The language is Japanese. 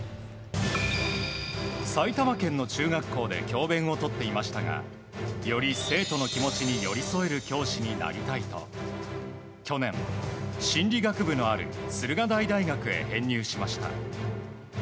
埼玉県の中学校で教鞭をとっていましたがより生徒の気持ちに寄り添える教師になりたいと去年、心理学部のある駿河台大学に編入しました。